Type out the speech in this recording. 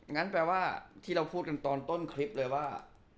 งั้นแปลว่าที่เราพูดกันตอนต้นคลิปเลยว่า